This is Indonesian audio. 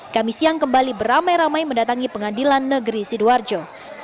kami siang kembali beramai ramai mendatangi pengadilan negeri sidoarjo